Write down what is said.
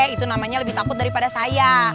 itu namanya lebih takut daripada saya